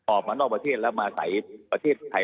ออกมานอกประเทศแล้วมาใส่ประเทศไทย